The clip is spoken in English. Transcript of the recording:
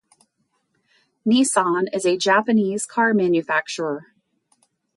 Nissan is a Japanese car manufacturer